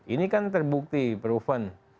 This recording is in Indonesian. ini kan terbukti proven